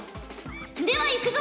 ではいくぞ。